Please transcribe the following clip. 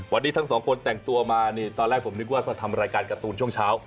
วันนี้ทั้งสองคนแต่งตัวมานี่ตอนแรกผมนึกว่าพอทำรายการการ์ตูนช่วงเช้า